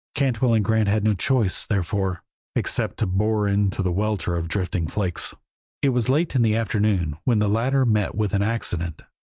Cantwell and Grant had no choice, therefore, except to bore into the welter of drifting flakes. It was late in the afternoon when the latter met with an accident.